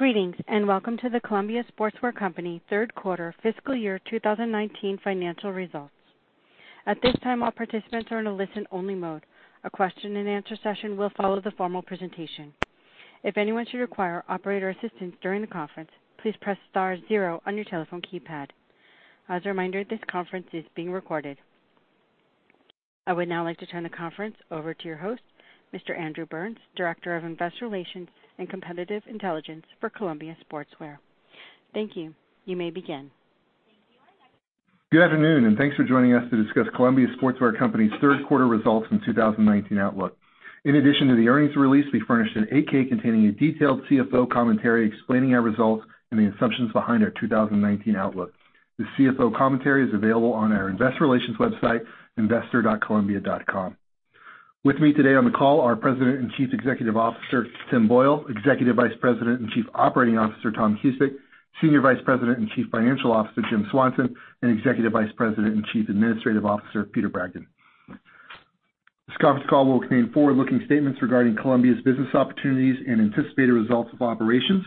Greetings, and welcome to the Columbia Sportswear Company third quarter fiscal year 2019 financial results. At this time, all participants are in a listen-only mode. A question and answer session will follow the formal presentation. If anyone should require operator assistance during the conference, please press star zero on your telephone keypad. As a reminder, this conference is being recorded. I would now like to turn the conference over to your host, Mr. Andrew Burns, Director of Investor Relations and Competitive Intelligence for Columbia Sportswear. Thank you. You may begin. Good afternoon, and thanks for joining us to discuss Columbia Sportswear Company's third quarter results in 2019 outlook. In addition to the earnings release, we furnished an 8-K containing a detailed CFO commentary explaining our results and the assumptions behind our 2019 outlook. The CFO commentary is available on our investor relations website, investor.columbia.com. With me today on the call are President and Chief Executive Officer, Tim Boyle, Executive Vice President and Chief Operating Officer, Tom Cusick, Senior Vice President and Chief Financial Officer, Jim Swanson, and Executive Vice President and Chief Administrative Officer, Peter Bragdon. This conference call will contain forward-looking statements regarding Columbia's business opportunities and anticipated results of operations.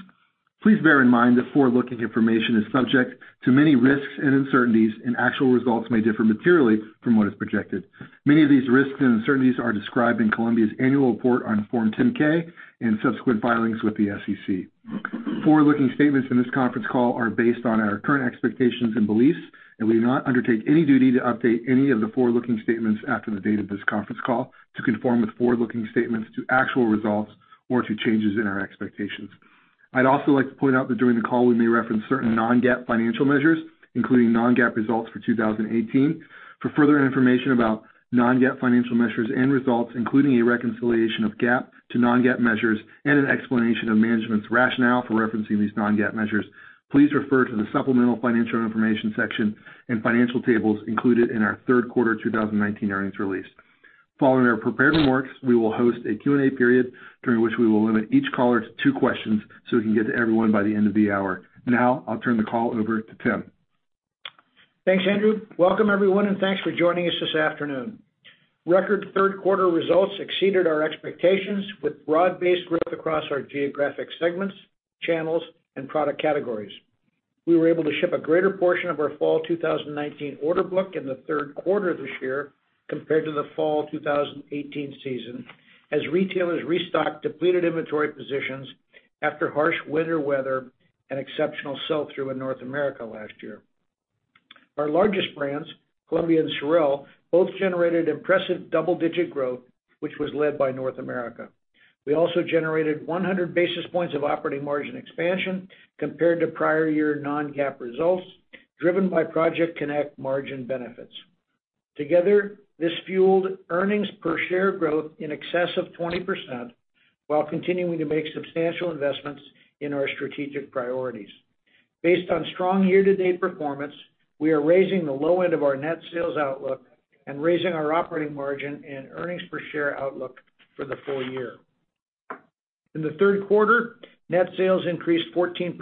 Please bear in mind that forward-looking information is subject to many risks and uncertainties, and actual results may differ materially from what is projected. Many of these risks and uncertainties are described in Columbia's annual report on Form 10-K and subsequent filings with the SEC. Forward-looking statements in this conference call are based on our current expectations and beliefs, and we do not undertake any duty to update any of the forward-looking statements after the date of this conference call to conform with forward-looking statements to actual results or to changes in our expectations. I'd also like to point out that during the call we may reference certain non-GAAP financial measures, including non-GAAP results for 2018. For further information about non-GAAP financial measures and results, including a reconciliation of GAAP to non-GAAP measures and an explanation of management's rationale for referencing these non-GAAP measures, please refer to the supplemental financial information section and financial tables included in our third quarter 2019 earnings release. Following our prepared remarks, we will host a Q&A period during which we will limit each caller to two questions so we can get to everyone by the end of the hour. Now, I'll turn the call over to Tim. Thanks, Andrew. Welcome everyone, and thanks for joining us this afternoon. Record third quarter results exceeded our expectations with broad-based growth across our geographic segments, channels, and product categories. We were able to ship a greater portion of our fall 2019 order book in the third quarter of this year compared to the fall 2018 season, as retailers restocked depleted inventory positions after harsh winter weather and exceptional sell-through in North America last year. Our largest brands, Columbia and SOREL, both generated impressive double-digit growth, which was led by North America. We also generated 100 basis points of operating margin expansion compared to prior year non-GAAP results, driven by Project Connect margin benefits. Together, this fueled earnings per share growth in excess of 20% while continuing to make substantial investments in our strategic priorities. Based on strong year-to-date performance, we are raising the low end of our net sales outlook and raising our operating margin and earnings per share outlook for the full year. In the third quarter, net sales increased 14%,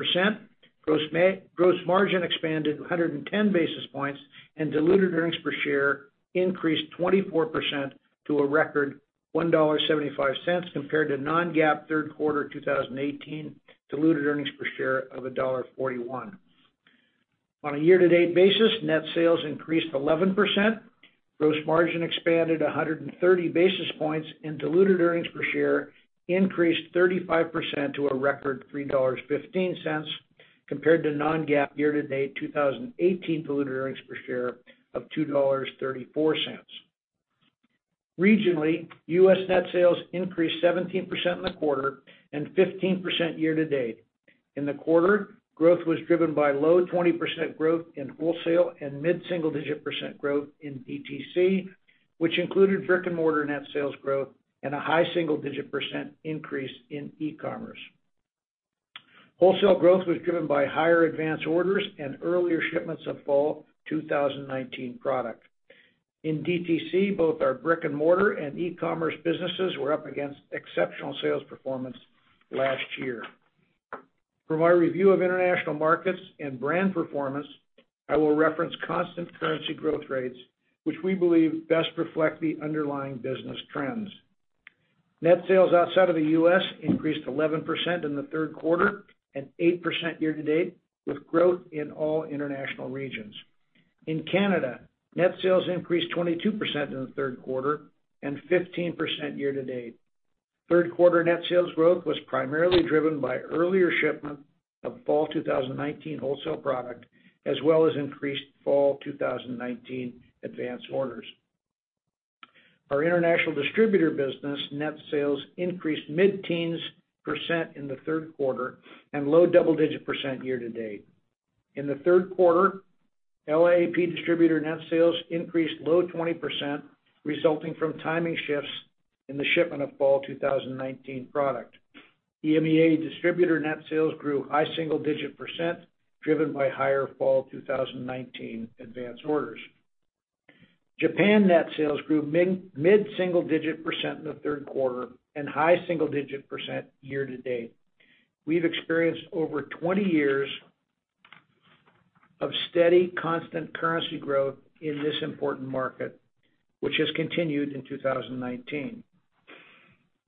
gross margin expanded 110 basis points, and diluted earnings per share increased 24% to a record $1.75 compared to non-GAAP third quarter 2018 diluted earnings per share of $1.41. On a year-to-date basis, net sales increased 11%, gross margin expanded 130 basis points, and diluted earnings per share increased 35% to a record $3.15 compared to non-GAAP year-to-date 2018 diluted earnings per share of $2.34. Regionally, U.S. net sales increased 17% in the quarter and 15% year to date. In the quarter, growth was driven by low 20% growth in wholesale and mid-single-digit percent growth in DTC, which included brick-and-mortar net sales growth and a high single-digit percent increase in e-commerce. Wholesale growth was driven by higher advance orders and earlier shipments of fall 2019 product. In DTC, both our brick-and-mortar and e-commerce businesses were up against exceptional sales performance last year. For my review of international markets and brand performance, I will reference constant currency growth rates, which we believe best reflect the underlying business trends. Net sales outside of the U.S. increased 11% in the third quarter and 8% year-to-date, with growth in all international regions. In Canada, net sales increased 22% in the third quarter and 15% year-to-date. Third quarter net sales growth was primarily driven by earlier shipment of fall 2019 wholesale product, as well as increased fall 2019 advance orders. Our international distributor business net sales increased mid-teens % in the third quarter and low double-digit % year-to-date. In the third quarter, LAAP distributor net sales increased low 20%, resulting from timing shifts in the shipment of fall 2019 product. EMEA distributor net sales grew high single-digit %, driven by higher fall 2019 advance orders. Japan net sales grew mid-single-digit % in the third quarter and high single-digit % year-to-date. We've experienced over 20 years of steady constant currency growth in this important market, which has continued in 2019.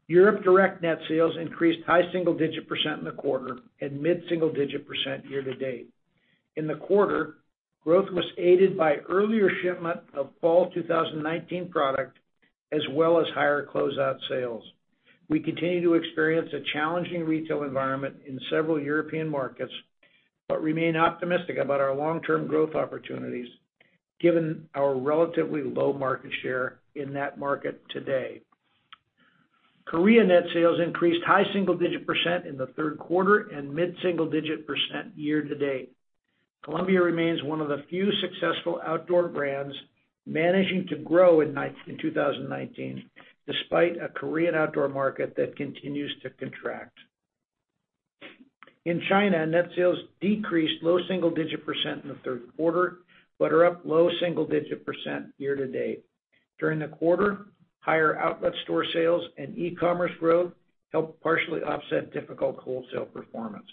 Europe direct net sales increased high single-digit % in the quarter and mid-single-digit % year-to-date. In the quarter, growth was aided by earlier shipment of fall 2019 product as well as higher closeout sales. We continue to experience a challenging retail environment in several European markets, but remain optimistic about our long-term growth opportunities given our relatively low market share in that market today. Korea net sales increased high single-digit % in the third quarter and mid single-digit % year-to-date. Columbia remains one of the few successful outdoor brands managing to grow in 2019, despite a Korean outdoor market that continues to contract. In China, net sales decreased low single-digit % in the third quarter, are up low single-digit % year-to-date. During the quarter, higher outlet store sales and e-commerce growth helped partially offset difficult wholesale performance.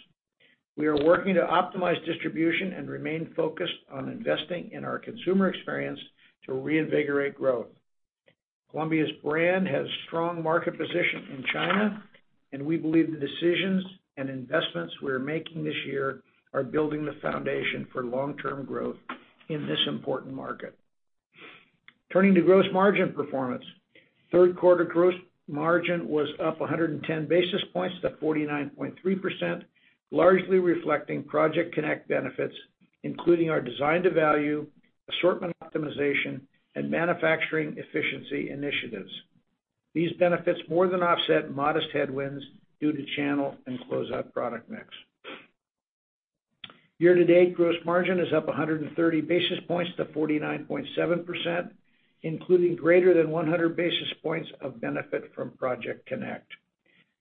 We are working to optimize distribution and remain focused on investing in our consumer experience to reinvigorate growth. Columbia's brand has strong market position in China. We believe the decisions and investments we're making this year are building the foundation for long-term growth in this important market. Turning to gross margin performance. Third quarter gross margin was up 110 basis points to 49.3%, largely reflecting Project Connect benefits, including our design to value, assortment optimization, and manufacturing efficiency initiatives. These benefits more than offset modest headwinds due to channel and closeout product mix. Year to date gross margin is up 130 basis points to 49.7%, including greater than 100 basis points of benefit from Project Connect.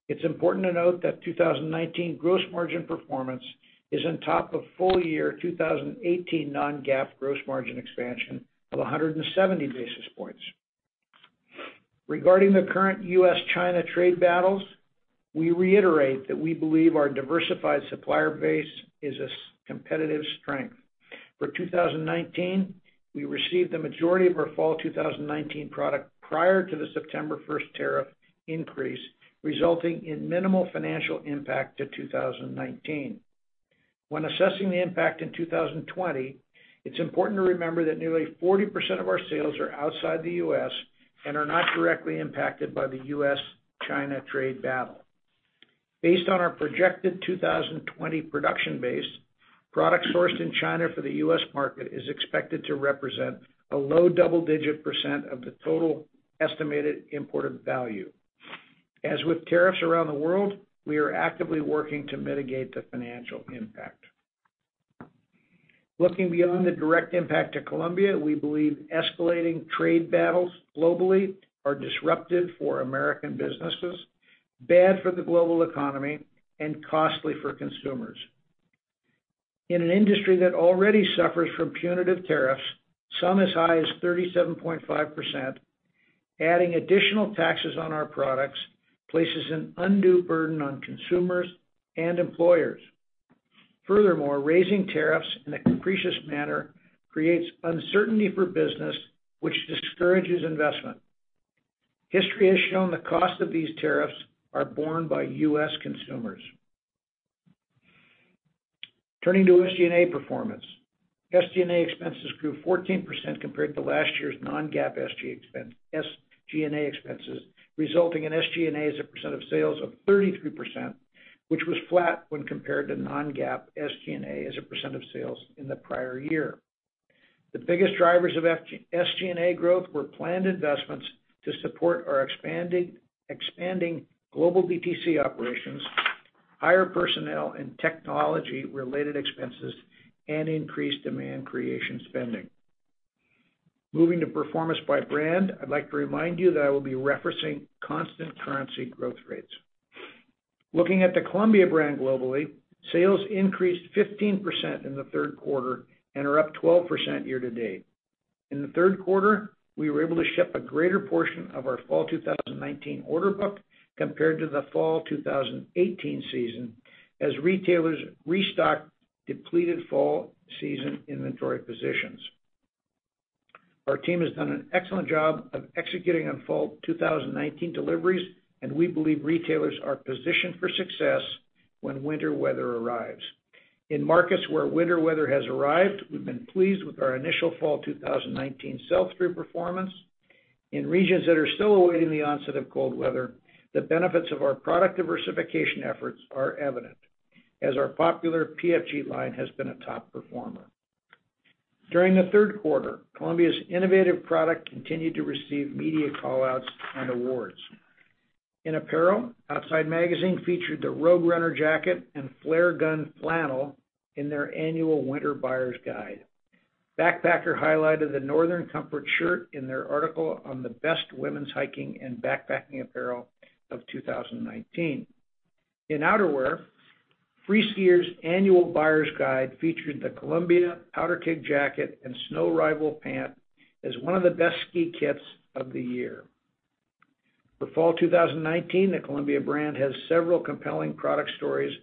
It's important to note that 2019 gross margin performance is on top of full year 2018 non-GAAP gross margin expansion of 170 basis points. Regarding the current U.S.-China trade battles, we reiterate that we believe our diversified supplier base is a competitive strength. For 2019, we received the majority of our fall 2019 product prior to the September 1st tariff increase, resulting in minimal financial impact to 2019. When assessing the impact in 2020, it's important to remember that nearly 40% of our sales are outside the U.S. and are not directly impacted by the U.S.-China trade battle. Based on our projected 2020 production base, products sourced in China for the U.S. market is expected to represent a low double-digit % of the total estimated imported value. As with tariffs around the world, we are actively working to mitigate the financial impact. Looking beyond the direct impact to Columbia, we believe escalating trade battles globally are disruptive for American businesses, bad for the global economy, and costly for consumers. In an industry that already suffers from punitive tariffs, some as high as 37.5%, adding additional taxes on our products places an undue burden on consumers and employers. Furthermore, raising tariffs in a capricious manner creates uncertainty for business, which discourages investment. History has shown the cost of these tariffs are borne by U.S. consumers. Turning to SG&A performance. SG&A expenses grew 14% compared to last year's non-GAAP SG&A expenses, resulting in SG&A as a % of sales of 33%, which was flat when compared to non-GAAP SG&A as a % of sales in the prior year. The biggest drivers of SG&A growth were planned investments to support our expanding global DTC operations, higher personnel and technology-related expenses, and increased demand creation spending. Moving to performance by brand, I'd like to remind you that I will be referencing constant currency growth rates. Looking at the Columbia brand globally, sales increased 15% in the third quarter and are up 12% year to date. In the third quarter, we were able to ship a greater portion of our fall 2019 order book compared to the fall 2018 season, as retailers restocked depleted fall season inventory positions. Our team has done an excellent job of executing on fall 2019 deliveries, and we believe retailers are positioned for success when winter weather arrives. In markets where winter weather has arrived, we've been pleased with our initial fall 2019 sell-through performance. In regions that are still awaiting the onset of cold weather, the benefits of our product diversification efforts are evident as our popular PFG line has been a top performer. During the third quarter, Columbia's innovative product continued to receive media call-outs and awards. In apparel, Outside Magazine featured the Rogue Runner jacket and Flare Gun flannel in their annual winter buyer's guide. Backpacker highlighted the Northern Comfort shirt in their article on the best women's hiking and backpacking apparel of 2019. In outerwear, Freeskier's annual buyer's guide featured the Columbia Powder Keg jacket and Snow Rival pant as one of the best ski kits of the year. For fall 2019, the Columbia brand has several compelling product stories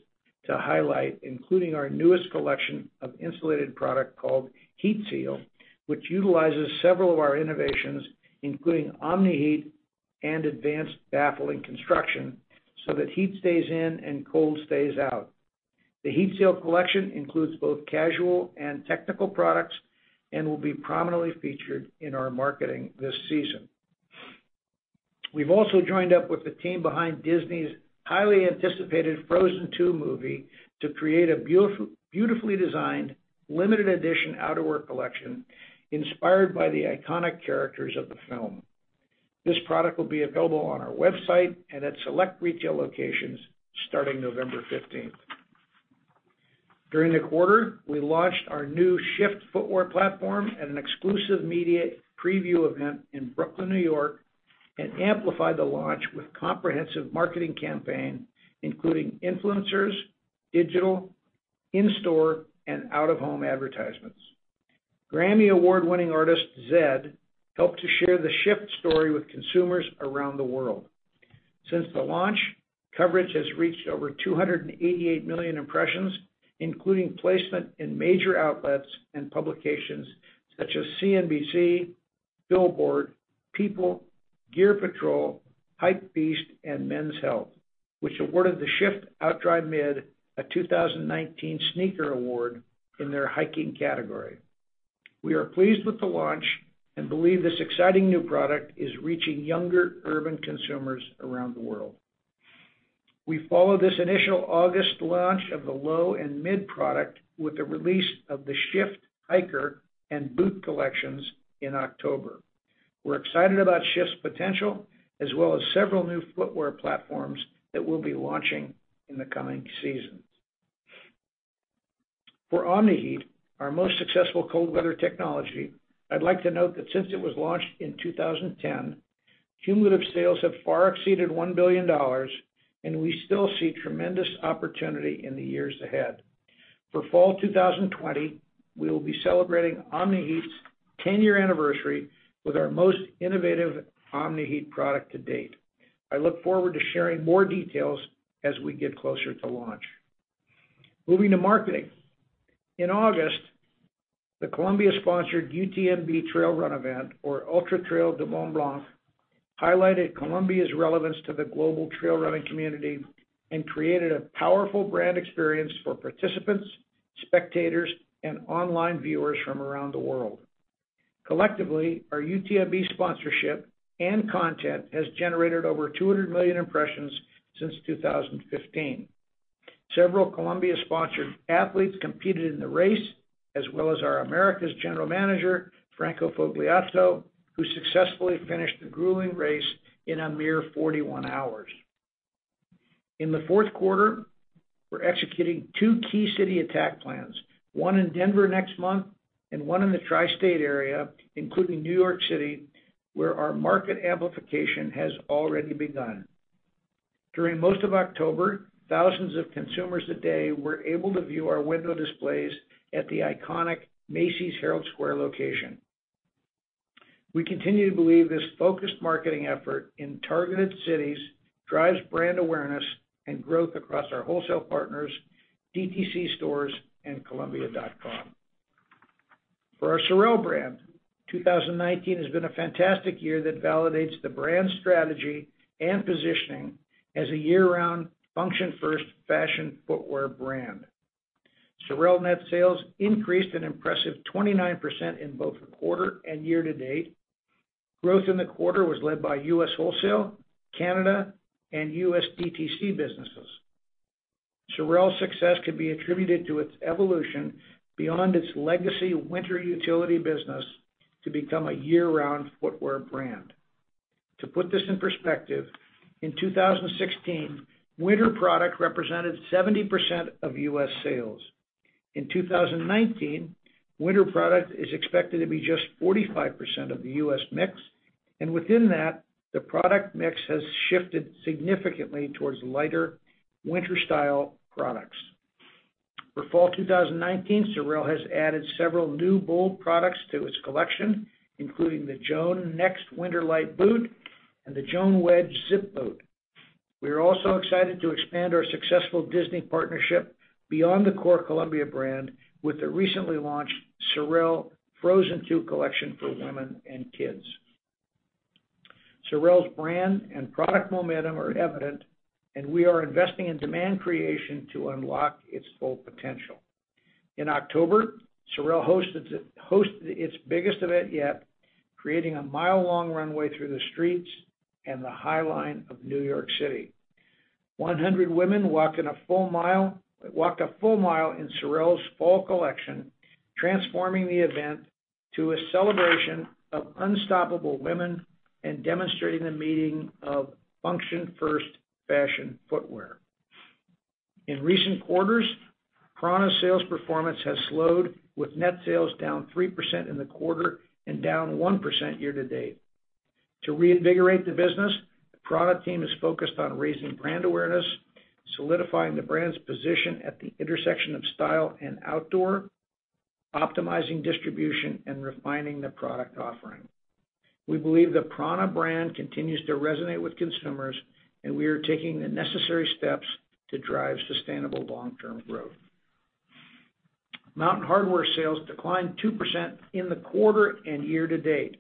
to highlight, including our newest collection of insulated product called HEAT SEAL, which utilizes several of our innovations, including Omni-Heat and advanced baffling construction so that heat stays in and cold stays out. The HEAT SEAL collection includes both casual and technical products and will be prominently featured in our marketing this season. We've also joined up with the team behind Disney's highly anticipated "Frozen 2" movie to create a beautifully designed limited edition outerwear collection inspired by the iconic characters of the film. This product will be available on our website and at select retail locations starting November 15th. During the quarter, we launched our new Shift footwear platform at an exclusive media preview event in Brooklyn, N.Y., and amplified the launch with comprehensive marketing campaign including influencers, digital, in-store, and out-of-home advertisements. Grammy Award-winning artist Zedd helped to share the Shift story with consumers around the world. Since the launch, coverage has reached over 288 million impressions, including placement in major outlets and publications such as CNBC, Billboard, People, Gear Patrol, Hypebeast, and Men's Health, which awarded the SH/FT OutDry Mid a 2019 sneaker award in their hiking category. We are pleased with the launch and believe this exciting new product is reaching younger urban consumers around the world. We follow this initial August launch of the low and mid product with the release of the Shift hiker and boot collections in October. We're excited about Shift's potential as well as several new footwear platforms that we'll be launching in the coming seasons. For Omni-Heat, our most successful cold weather technology, I'd like to note that since it was launched in 2010, cumulative sales have far exceeded $1 billion, and we still see tremendous opportunity in the years ahead. For fall 2020, we will be celebrating Omni-Heat's 10-year anniversary with our most innovative Omni-Heat product to date. I look forward to sharing more details as we get closer to launch. Moving to marketing. In August, the Columbia-sponsored UTMB trail run event, or Ultra-Trail du Mont-Blanc, highlighted Columbia's relevance to the global trail running community and created a powerful brand experience for participants, spectators, and online viewers from around the world. Collectively, our UTMB sponsorship and content has generated over 200 million impressions since 2015. Several Columbia-sponsored athletes competed in the race, as well as our Americas General Manager, Franco Fogliato, who successfully finished the grueling race in a mere 41 hours. In the fourth quarter, we're executing two key city attack plans, one in Denver next month and one in the tri-state area, including New York City, where our market amplification has already begun. During most of October, thousands of consumers a day were able to view our window displays at the iconic Macy's Herald Square location. We continue to believe this focused marketing effort in targeted cities drives brand awareness and growth across our wholesale partners, DTC stores, and columbia.com. For our SOREL brand, 2019 has been a fantastic year that validates the brand strategy and positioning as a year-round function first fashion footwear brand. SOREL net sales increased an impressive 29% in both the quarter and year to date. Growth in the quarter was led by U.S. wholesale, Canada, and U.S. DTC businesses. SOREL's success can be attributed to its evolution beyond its legacy winter utility business to become a year-round footwear brand. To put this in perspective, in 2016, winter product represented 70% of U.S. sales. In 2019, winter product is expected to be just 45% of the U.S. mix, and within that, the product mix has shifted significantly towards lighter winter style products. For fall 2019, SOREL has added several new bold products to its collection, including the Joan Next winter light boot and the Joan Wedge zip boot. We are also excited to expand our successful Disney partnership beyond the core Columbia brand with the recently launched SOREL Frozen 2 collection for women and kids. SOREL's brand and product momentum are evident, and we are investing in demand creation to unlock its full potential. In October, SOREL hosted its biggest event yet, creating a mile-long runway through the streets and the High Line of New York City. 100 women walked a full mile in SOREL's fall collection, transforming the event to a celebration of unstoppable women and demonstrating the meaning of function first fashion footwear. In recent quarters, prAna's sales performance has slowed with net sales down 3% in the quarter and down 1% year to date. To reinvigorate the business, the product team is focused on raising brand awareness, solidifying the brand's position at the intersection of style and outdoor. Optimizing distribution and refining the product offering. We believe the prAna brand continues to resonate with consumers. We are taking the necessary steps to drive sustainable long-term growth. Mountain Hardwear sales declined 2% in the quarter and year-to-date.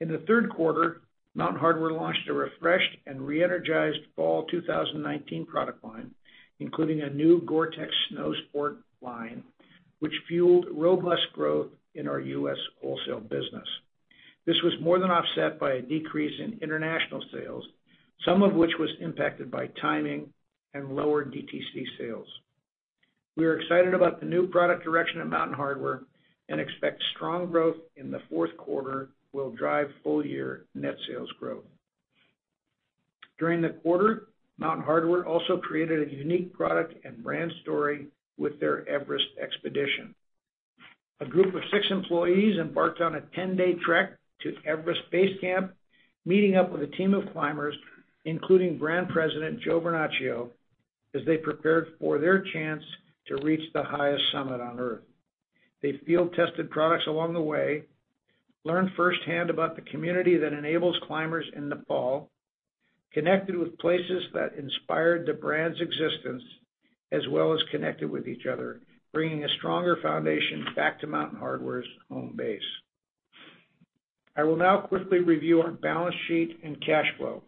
In the third quarter, Mountain Hardwear launched a refreshed and re-energized fall 2019 product line, including a new GORE-TEX snow sport line, which fueled robust growth in our U.S. wholesale business. This was more than offset by a decrease in international sales, some of which was impacted by timing and lower DTC sales. We are excited about the new product direction of Mountain Hardwear. We expect strong growth in the fourth quarter will drive full-year net sales growth. During the quarter, Mountain Hardwear also created a unique product and brand story with their Everest expedition. A group of six employees embarked on a 10-day trek to Everest Base Camp, meeting up with a team of climbers, including brand president Joe Vernachio, as they prepared for their chance to reach the highest summit on Earth. They field-tested products along the way, learned firsthand about the community that enables climbers in Nepal, connected with places that inspired the brand's existence, as well as connected with each other, bringing a stronger foundation back to Mountain Hardwear's home base. I will now quickly review our balance sheet and cash flow.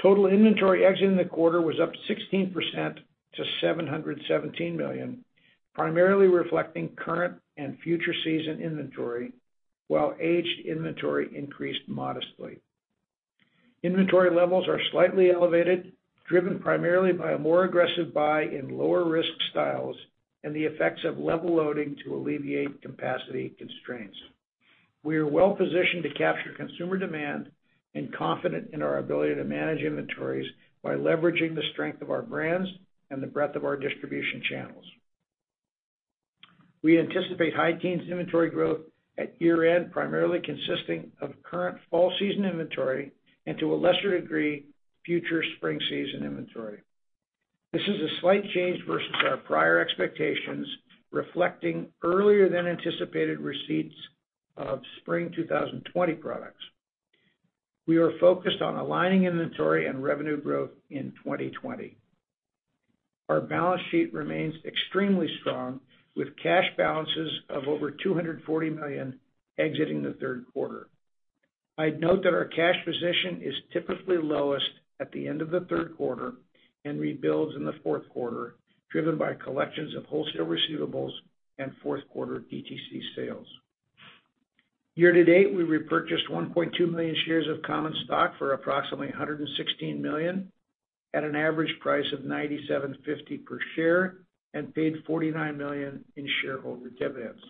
Total inventory exiting the quarter was up 16% to $717 million, primarily reflecting current and future season inventory, while aged inventory increased modestly. Inventory levels are slightly elevated, driven primarily by a more aggressive buy in lower risk styles and the effects of level loading to alleviate capacity constraints. We are well positioned to capture consumer demand and confident in our ability to manage inventories by leveraging the strength of our brands and the breadth of our distribution channels. We anticipate high teens inventory growth at year-end, primarily consisting of current fall season inventory and, to a lesser degree, future spring season inventory. This is a slight change versus our prior expectations, reflecting earlier than anticipated receipts of spring 2020 products. We are focused on aligning inventory and revenue growth in 2020. Our balance sheet remains extremely strong, with cash balances of over $240 million exiting the third quarter. I'd note that our cash position is typically lowest at the end of the third quarter and rebuilds in the fourth quarter, driven by collections of wholesale receivables and fourth-quarter DTC sales. Year-to-date, we repurchased 1.2 million shares of common stock for approximately $116 million at an average price of $97.50 per share and paid $49 million in shareholder dividends.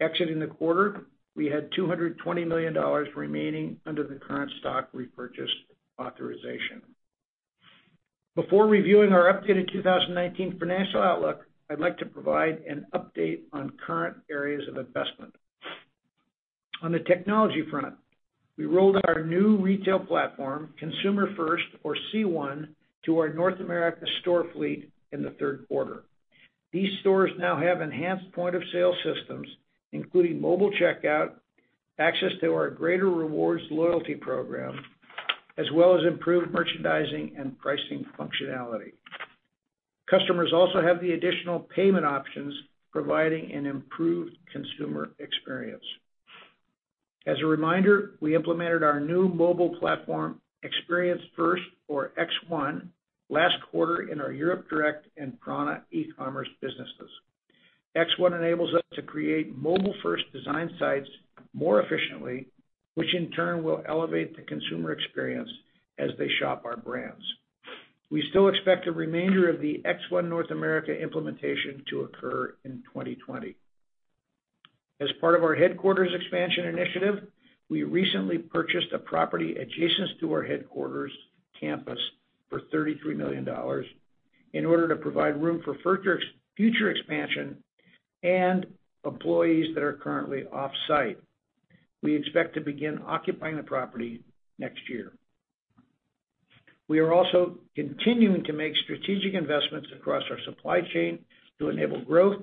Exiting the quarter, we had $220 million remaining under the current stock repurchase authorization. Before reviewing our updated 2019 financial outlook, I'd like to provide an update on current areas of investment. On the technology front, we rolled out our new retail platform, Consumer First, or C1, to our North America store fleet in the third quarter. These stores now have enhanced point-of-sale systems, including mobile checkout, access to our Greater Rewards loyalty program, as well as improved merchandising and pricing functionality. Customers also have the additional payment options, providing an improved consumer experience. As a reminder, we implemented our new mobile platform, Experience First, or X1, last quarter in our Europe direct and prAna e-commerce businesses. X1 enables us to create mobile-first design sites more efficiently, which in turn will elevate the consumer experience as they shop our brands. We still expect the remainder of the X1 North America implementation to occur in 2020. As part of our headquarters expansion initiative, we recently purchased a property adjacent to our headquarters campus for $33 million in order to provide room for future expansion and employees that are currently off-site. We expect to begin occupying the property next year. We are also continuing to make strategic investments across our supply chain to enable growth,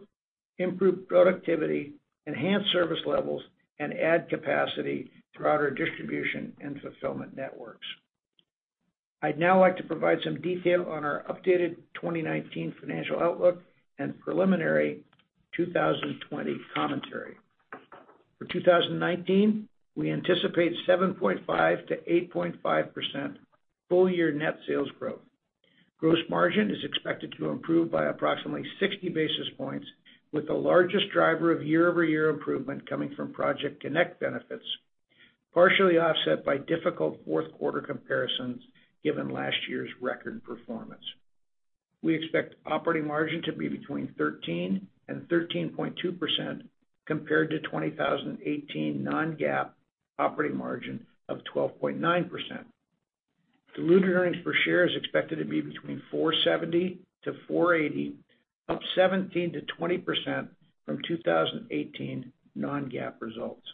improve productivity, enhance service levels, and add capacity throughout our distribution and fulfillment networks. I'd now like to provide some detail on our updated 2019 financial outlook and preliminary 2020 commentary. For 2019, we anticipate 7.5%-8.5% full-year net sales growth. Gross margin is expected to improve by approximately 60 basis points, with the largest driver of year-over-year improvement coming from Project Connect benefits, partially offset by difficult fourth quarter comparisons given last year's record performance. We expect operating margin to be between 13% and 13.2% compared to 2018 non-GAAP operating margin of 12.9%. Diluted earnings per share is expected to be between $4.70-$4.80, up 17%-20% from 2018 non-GAAP results.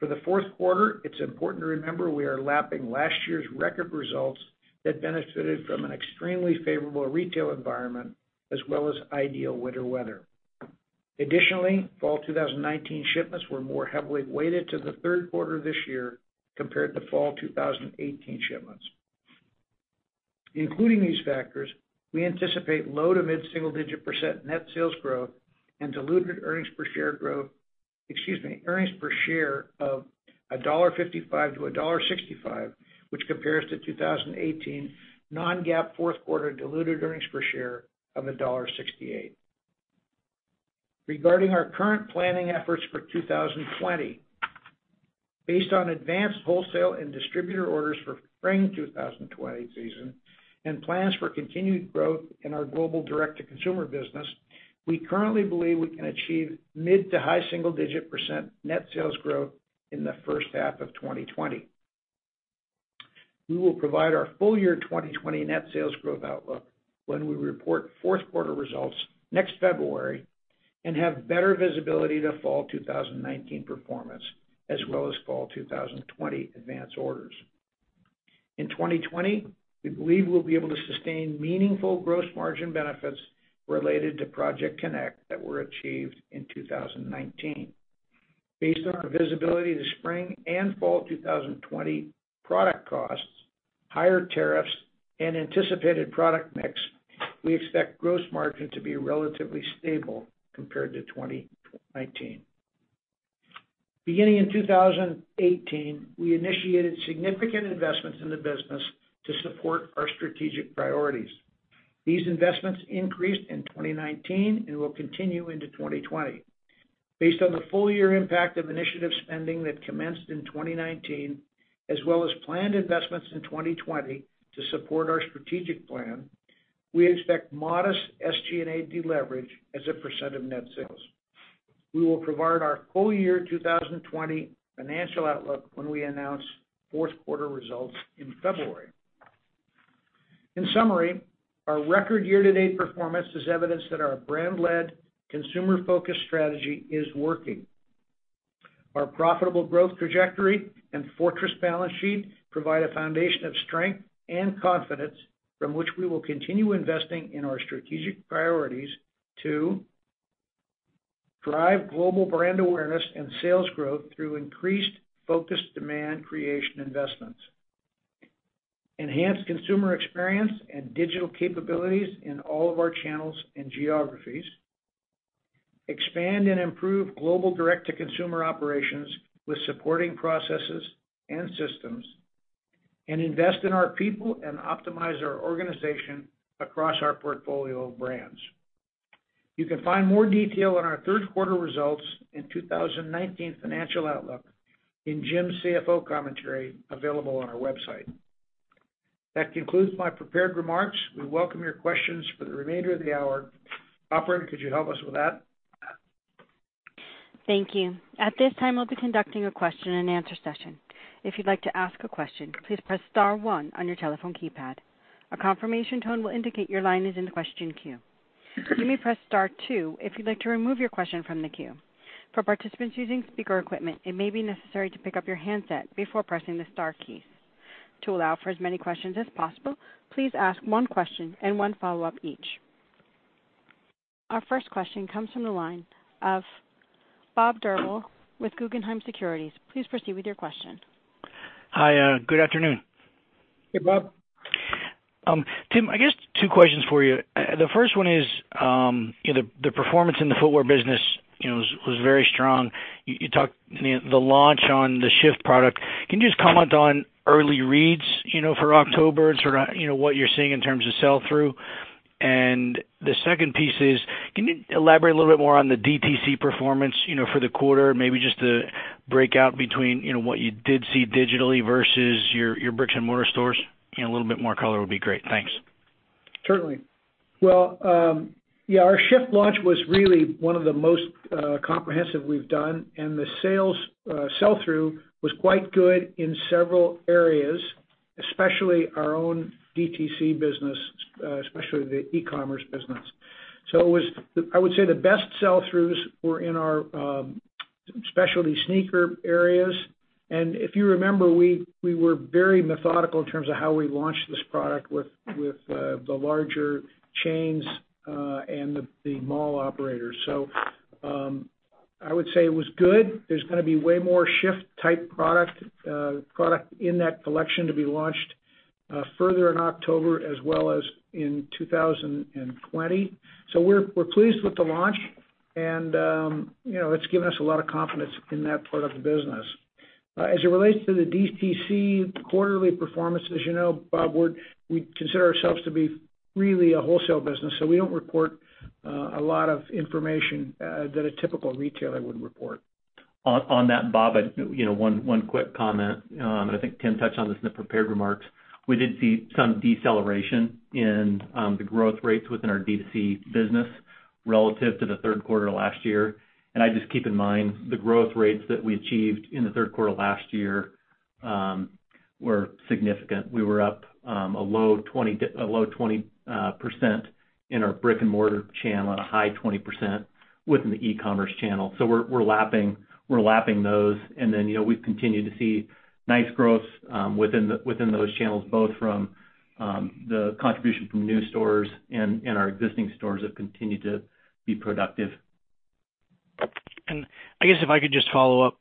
For the fourth quarter, it's important to remember we are lapping last year's record results that benefited from an extremely favorable retail environment as well as ideal winter weather. Additionally, fall 2019 shipments were more heavily weighted to the third quarter this year compared to fall 2018 shipments. Including these factors, we anticipate low- to mid-single-digit % net sales growth and diluted earnings per share of $1.55 to $1.65, which compares to 2018 non-GAAP fourth quarter diluted earnings per share of $1.68. Regarding our current planning efforts for 2020, based on advanced wholesale and distributor orders for spring 2020 season and plans for continued growth in our global direct-to-consumer business, we currently believe we can achieve mid- to high-single-digit % net sales growth in the first half of 2020. We will provide our full year 2020 net sales growth outlook when we report fourth quarter results next February and have better visibility to fall 2019 performance as well as fall 2020 advanced orders. In 2020, we believe we'll be able to sustain meaningful gross margin benefits related to Project Connect that were achieved in 2019. Based on our visibility to spring and fall 2020 product costs, higher tariffs, and anticipated product mix, we expect gross margin to be relatively stable compared to 2019. Beginning in 2018, we initiated significant investments in the business to support our strategic priorities. These investments increased in 2019 and will continue into 2020. Based on the full year impact of initiative spending that commenced in 2019, as well as planned investments in 2020 to support our strategic plan, we expect modest SG&A deleverage as a % of net sales. We will provide our full year 2020 financial outlook when we announce fourth quarter results in February. In summary, our record year-to-date performance is evidence that our brand-led, consumer-focused strategy is working. Our profitable growth trajectory and fortress balance sheet provide a foundation of strength and confidence from which we will continue investing in our strategic priorities to drive global brand awareness and sales growth through increased focused demand creation investments, enhance consumer experience and digital capabilities in all of our channels and geographies, expand and improve global direct-to-consumer operations with supporting processes and systems, and invest in our people and optimize our organization across our portfolio of brands. You can find more detail on our third quarter results and 2019 financial outlook in Jim's CFO commentary available on our website. That concludes my prepared remarks. We welcome your questions for the remainder of the hour. Operator, could you help us with that? Thank you. At this time, we'll be conducting a question and answer session. If you'd like to ask a question, please press star 1 on your telephone keypad. A confirmation tone will indicate your line is in the question queue. You may press star 2 if you'd like to remove your question from the queue. For participants using speaker equipment, it may be necessary to pick up your handset before pressing the star keys. To allow for as many questions as possible, please ask one question and one follow-up each. Our first question comes from the line of Bob Drbul with Guggenheim Securities. Please proceed with your question. Hi. Good afternoon. Hey, Bob. Tim, I guess two questions for you. The first one is the performance in the footwear business was very strong. You talked the launch on the Shift product. Can you just comment on early reads for October and sort of what you're seeing in terms of sell-through? The second piece is, can you elaborate a little bit more on the DTC performance for the quarter? Maybe just the breakout between what you did see digitally versus your bricks and mortar stores? A little bit more color would be great. Thanks. Certainly. Well, yeah, our Shift launch was really one of the most comprehensive we've done. The sell-through was quite good in several areas, especially our own DTC business, especially the e-commerce business. I would say the best sell-throughs were in our specialty sneaker areas. If you remember, we were very methodical in terms of how we launched this product with the larger chains and the mall operators. I would say it was good. There's going to be way more Shift type product in that collection to be launched further in October as well as in 2020. We're pleased with the launch, and it's given us a lot of confidence in that part of the business. As it relates to the DTC quarterly performance, as you know, Bob, we consider ourselves to be really a wholesale business, so we don't report a lot of information that a typical retailer would report. On that, Bob, one quick comment. I think Tim touched on this in the prepared remarks. We did see some deceleration in the growth rates within our DTC business relative to the third quarter last year. I just keep in mind the growth rates that we achieved in the third quarter last year were significant. We were up a low 20% in our brick and mortar channel and a high 20% within the e-commerce channel. We're lapping those, and then we've continued to see nice growth within those channels, both from the contribution from new stores and our existing stores have continued to be productive. I guess if I could just follow up.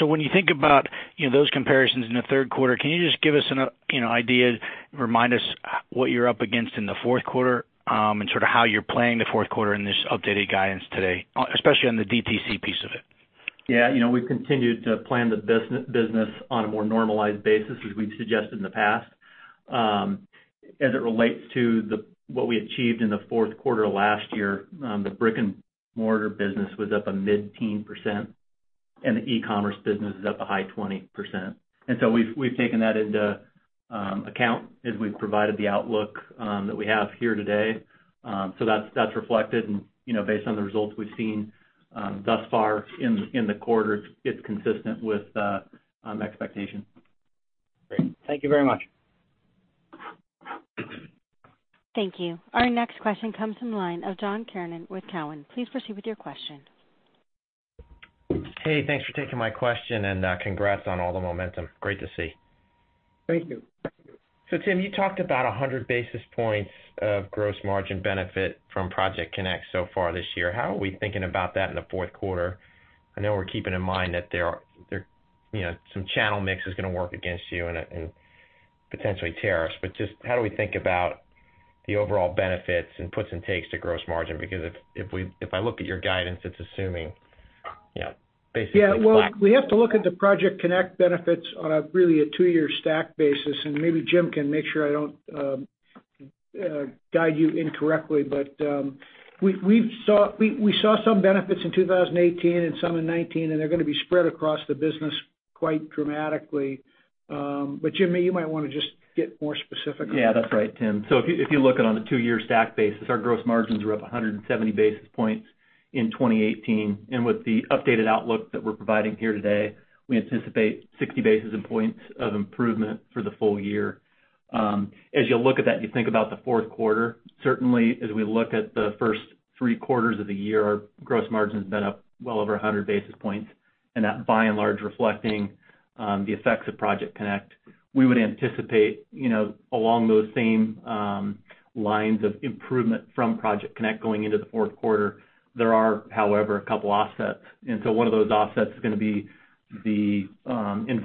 When you think about those comparisons in the third quarter, can you just give us an idea, remind us what you're up against in the fourth quarter, and sort of how you're playing the fourth quarter in this updated guidance today, especially on the DTC piece of it? Yeah. We've continued to plan the business on a more normalized basis, as we've suggested in the past. As it relates to what we achieved in the fourth quarter last year, the brick-and-mortar business was up a mid-teen%, and the e-commerce business is up a high 20%. We've taken that into account as we've provided the outlook that we have here today. That's reflected and based on the results we've seen thus far in the quarter, it's consistent with expectation. Great. Thank you very much. Thank you. Our next question comes from the line of John Kernan with Cowen. Please proceed with your question. Hey, thanks for taking my question and congrats on all the momentum. Great to see. Thank you. Tim, you talked about 100 basis points of gross margin benefit from Project Connect so far this year. How are we thinking about that in the fourth quarter? I know we're keeping in mind that some channel mix is going to work against you and potentially tariffs, just how do we think about the overall benefits and puts and takes to gross margin? If I look at your guidance, it's assuming basically flat. Yeah. Well, we have to look at the Project Connect benefits on a really a two-year stack basis, and maybe Jim can make sure I don't guide you incorrectly, but we saw some benefits in 2018 and some in 2019, and they're going to be spread across the business quite dramatically. Jim, you might want to just get more specific. Yeah, that's right, Tim. If you look at it on a two-year stack basis, our gross margins were up 170 basis points in 2018. With the updated outlook that we're providing here today, we anticipate 60 basis points of improvement for the full year. As you look at that, you think about the fourth quarter. Certainly, as we look at the first three quarters of the year, our gross margin's been up well over 100 basis points, and that by and large reflecting the effects of Project Connect. We would anticipate along those same lines of improvement from Project Connect going into the fourth quarter. There are, however, a couple offsets. One of those offsets is going to be the positive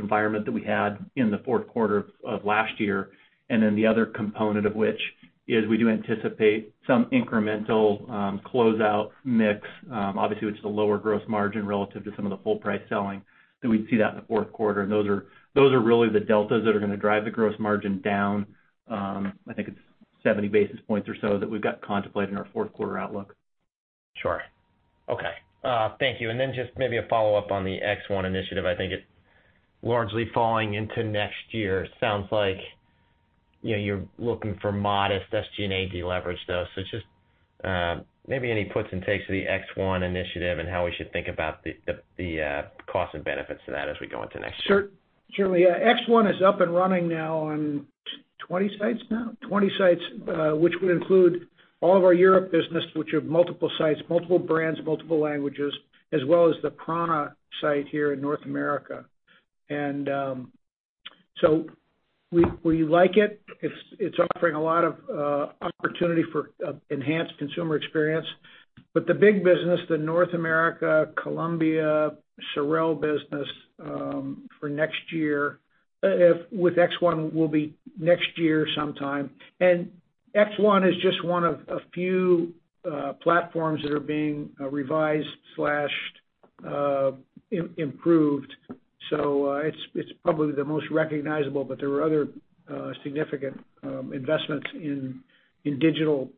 environment that we had in the fourth quarter of last year. The other component of which is we do anticipate some incremental closeout mix. Obviously, which is a lower gross margin relative to some of the full price selling, that we'd see that in the fourth quarter. Those are really the deltas that are going to drive the gross margin down. I think it's 70 basis points or so that we've got contemplated in our fourth quarter outlook. Sure. Okay. Thank you. Just maybe a follow-up on the X1 initiative. I think it largely falling into next year. Sounds like you're looking for modest SG&A deleverage, though. Just maybe any puts and takes to the X1 initiative and how we should think about the cost and benefits of that as we go into next year. Certainly. X1 is up and running now on 20 sites now. 20 sites, which would include all of our Europe business, which have multiple sites, multiple brands, multiple languages, as well as the prAna site here in North America. We like it. It's offering a lot of opportunity for enhanced consumer experience. The big business, the North America, Columbia, SOREL business for next year with X1 will be next year sometime. X1 is just one of a few platforms that are being revised/improved. It's probably the most recognizable, but there are other significant investments in digital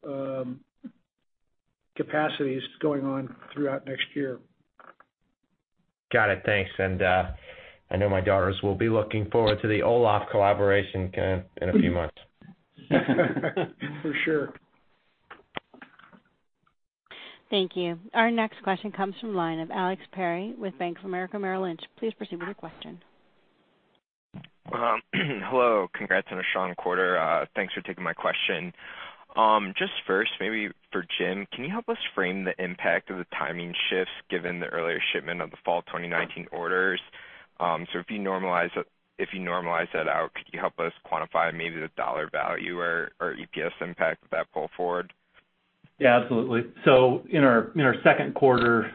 capacities going on throughout next year. Got it. Thanks. I know my daughters will be looking forward to the Olaf collaboration in a few months. For sure. Thank you. Our next question comes from the line of Alex Perry with Bank of America Merrill Lynch. Please proceed with your question. Hello, congrats on a strong quarter. Thanks for taking my question. Just first maybe for Jim, can you help us frame the impact of the timing shifts given the earlier shipment of the fall 2019 orders? If you normalize that out, could you help us quantify maybe the dollar value or EPS impact of that pull forward? Yeah, absolutely. In our second quarter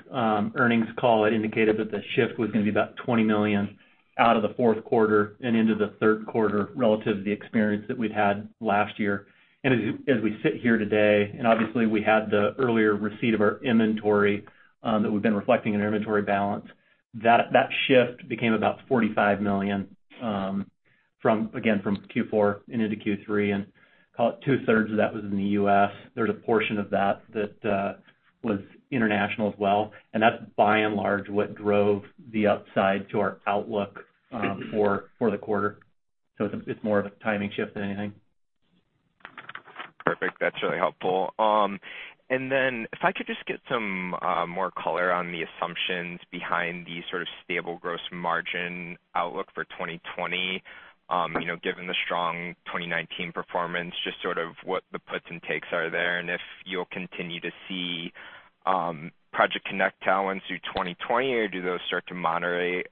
earnings call, I indicated that the shift was going to be about $20 million out of the fourth quarter and into the third quarter relative to the experience that we'd had last year. As we sit here today, obviously we had the earlier receipt of our inventory that we've been reflecting in our inventory balance. That shift became about $45 million, again from Q4 and into Q3, and call it two-thirds of that was in the U.S. There's a portion of that that was international as well, and that's by and large what drove the upside to our outlook for the quarter. It's more of a timing shift than anything. Perfect. That's really helpful. If I could just get some more color on the assumptions behind the sort of stable gross margin outlook for 2020, given the strong 2019 performance, just sort of what the puts and takes are there, and if you'll continue to see Project Connect tailwinds through 2020 or do those start to moderate?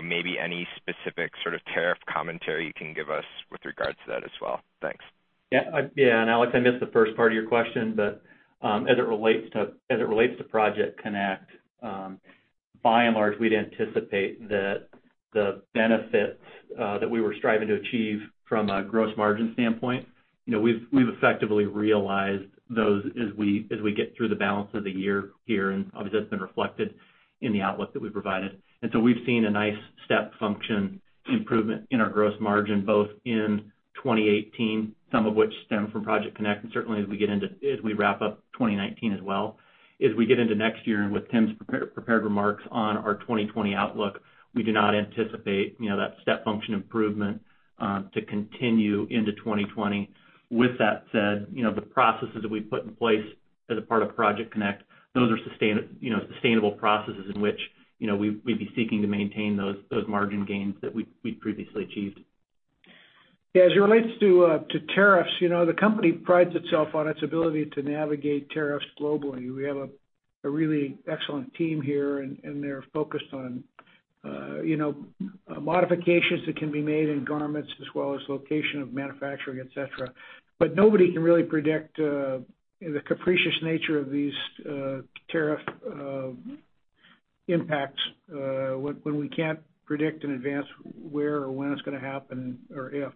Maybe any specific sort of tariff commentary you can give us with regards to that as well. Thanks. Yeah. Alex, I missed the first part of your question, but as it relates to Project Connect, by and large, we'd anticipate that the benefits that we were striving to achieve from a gross margin standpoint, we've effectively realized those as we get through the balance of the year here, obviously that's been reflected in the outlook that we provided. We've seen a nice step function improvement in our gross margin both in 2018, some of which stem from Project Connect, and certainly as we wrap up 2019 as well. As we get into next year and with Tim's prepared remarks on our 2020 outlook, we do not anticipate that step function improvement to continue into 2020. With that said, the processes that we've put in place as a part of Project Connect, those are sustainable processes in which we'd be seeking to maintain those margin gains that we'd previously achieved. As it relates to tariffs, the company prides itself on its ability to navigate tariffs globally. We have a really excellent team here, and they're focused on modifications that can be made in garments as well as location of manufacturing, et cetera. Nobody can really predict the capricious nature of these tariff impacts, when we can't predict in advance where or when it's going to happen or if.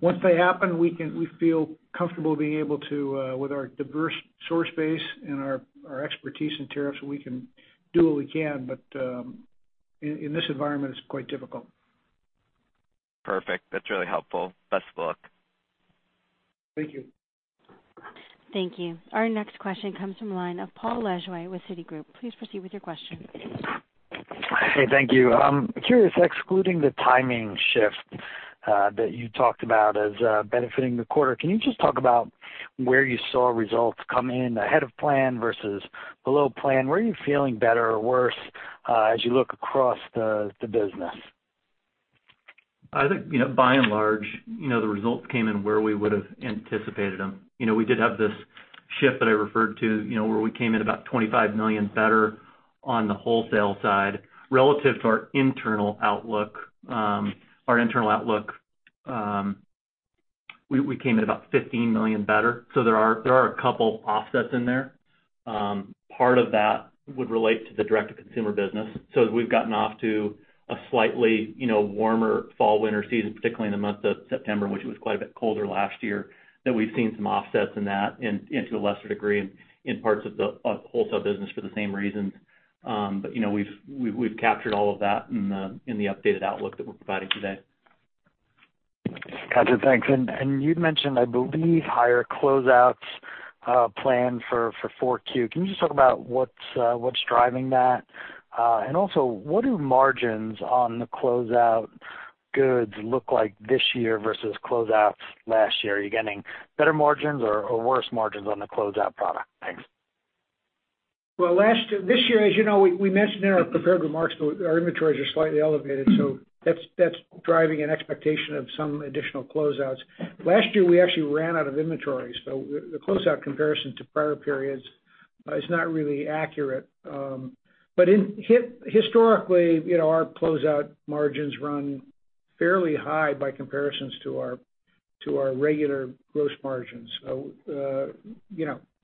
Once they happen, we feel comfortable being able to, with our diverse source base and our expertise in tariffs, we can do what we can, but in this environment it's quite difficult. Perfect. That's really helpful. Best of luck. Thank you. Thank you. Our next question comes from the line of Paul Lejuez with Citigroup. Please proceed with your question. Hey, thank you. Curious, excluding the timing shift that you talked about as benefiting the quarter, can you just talk about where you saw results come in ahead of plan versus below plan? Where are you feeling better or worse as you look across the business? I think, by and large, the results came in where we would've anticipated them. We did have this shift that I referred to where we came in about $25 million better on the wholesale side relative to our internal outlook. Our internal outlook, we came in about $15 million better. There are a couple offsets in there. Part of that would relate to the direct-to-consumer business. As we've gotten off to a slightly warmer fall/winter season, particularly in the month of September, which it was quite a bit colder last year, that we've seen some offsets in that and to a lesser degree in parts of the wholesale business for the same reasons. We've captured all of that in the updated outlook that we're providing today. Gotcha, thanks. You'd mentioned, I believe, higher closeouts planned for 4Q. Can you just talk about what's driving that? Also, what do margins on the closeout goods look like this year versus closeouts last year? Are you getting better margins or worse margins on the closeout product? Thanks. Well, this year, as you know, we mentioned in our prepared remarks, our inventories are slightly elevated, so that's driving an expectation of some additional closeouts. Last year, we actually ran out of inventory, so the closeout comparison to prior periods is not really accurate. Historically, our closeout margins run fairly high by comparisons to our regular gross margins.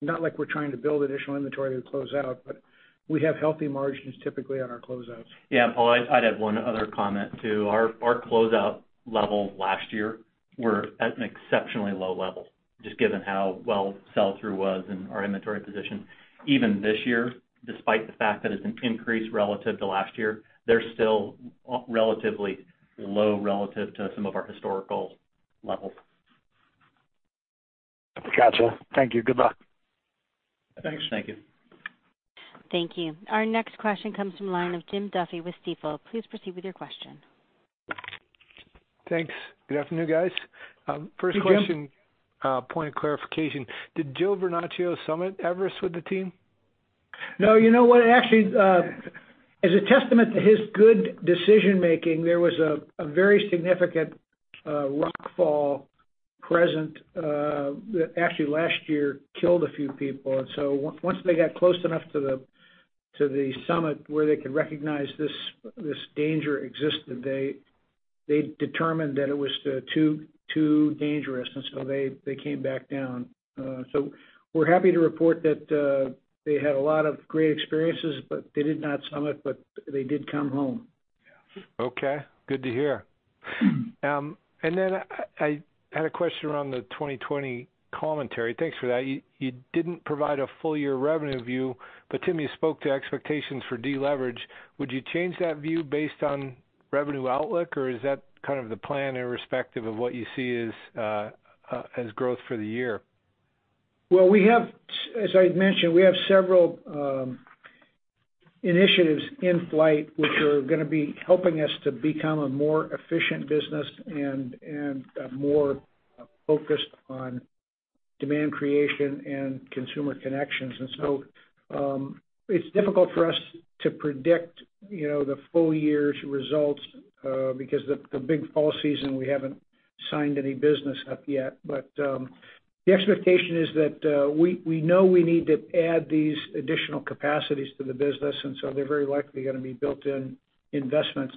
Not like we're trying to build additional inventory to close out, but we have healthy margins typically on our closeouts. Yeah. Paul, I'd have one other comment, too. Our closeout level last year were at an exceptionally low level, just given how well sell-through was and our inventory position. Even this year, despite the fact that it's an increase relative to last year, they're still relatively low relative to some of our historical levels. Gotcha. Thank you. Good luck. Thanks. Thank you. Thank you. Our next question comes from the line of Jim Duffy with Stifel. Please proceed with your question. Thanks. Good afternoon, guys. Hey, Jim. First question, point of clarification. Did Joe Vernachio summit Everest with the team? No. You know what? Actually, as a testament to his good decision-making, there was a very significant rockfall present that actually last year killed a few people. Once they got close enough to the summit where they could recognize this danger existed, they determined that it was too dangerous, and so they came back down. We're happy to report that they had a lot of great experiences, but they did not summit, but they did come home. Okay, good to hear. I had a question around the 2020 commentary. Thanks for that. You didn't provide a full-year revenue view, but Tim, you spoke to expectations for deleverage. Would you change that view based on revenue outlook, or is that kind of the plan irrespective of what you see as growth for the year? Well, as I'd mentioned, we have several initiatives in flight, which are going to be helping us to become a more efficient business and more focused on demand creation and consumer connections. It's difficult for us to predict the full year's results because the big fall season, we haven't signed any business up yet. The expectation is that we know we need to add these additional capacities to the business, and so they're very likely going to be built-in investments.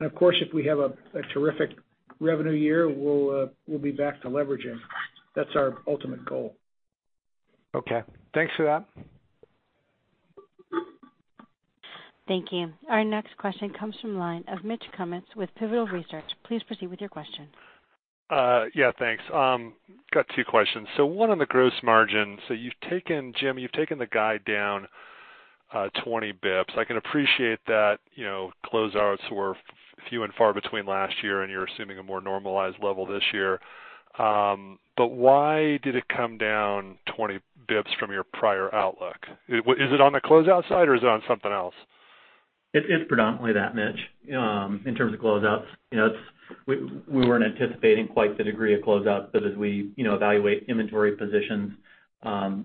Of course, if we have a terrific revenue year, we'll be back to leveraging. That's our ultimate goal. Okay. Thanks for that. Thank you. Our next question comes from the line of Mitch Kummetz with Pivotal Research. Please proceed with your question. Yeah. Thanks. Got two questions. One on the gross margin. Jim, you've taken the guide down 20 basis points. I can appreciate that closeouts were few and far between last year, and you're assuming a more normalized level this year. Why did it come down 20 basis points from your prior outlook? Is it on the closeout side or is it on something else? It's predominantly that, Mitch, in terms of closeouts. We weren't anticipating quite the degree of closeouts, but as we evaluate inventory positions,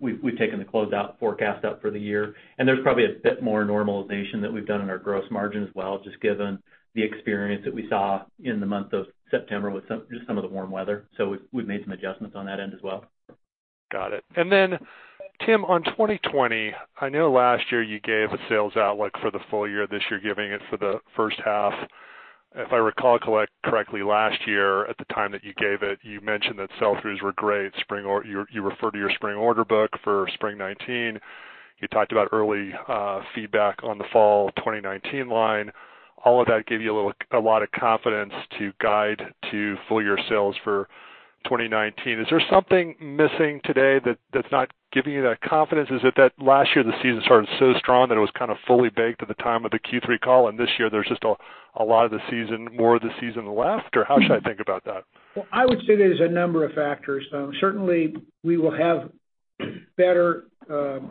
we've taken the closeout forecast up for the year. There's probably a bit more normalization that we've done in our gross margin as well, just given the experience that we saw in the month of September with just some of the warm weather. We've made some adjustments on that end as well. Got it. Then Tim, on 2020, I know last year you gave a sales outlook for the full year. This year, giving it for the first half. If I recall correctly, last year at the time that you gave it, you mentioned that sell-throughs were great. You referred to your spring order book for spring 2019. You talked about early feedback on the fall 2019 line. All of that gave you a lot of confidence to guide to full year sales for 2019. Is there something missing today that's not giving you that confidence? Is it that last year the season started so strong that it was kind of fully baked at the time of the Q3 call, and this year, there's just more of the season left? How should I think about that? Well, I would say there's a number of factors. Certainly, we will have better